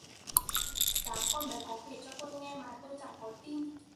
sáng con bé có kể cho tôi nghe mà tôi chả có tin